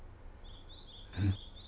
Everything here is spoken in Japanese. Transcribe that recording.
うん？